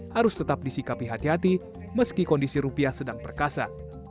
harus tetap disikapi hati hati meski kondisi rupiah sedang perkasa